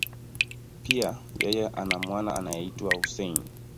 Pia, yeye ana mwana anayeitwa Hussein.